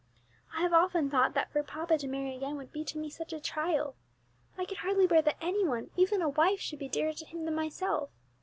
I have often thought that for papa to marry again would be to me such a trial. I could hardly bear that any one, even a wife, should be dearer to him than myself.